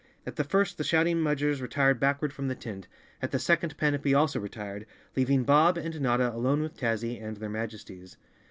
At the first the shouting Mudgers re¬ tired backward from the tent, at the second Panapee also retired, leaving Bob and Notta alone with Tazzy and their Majesties.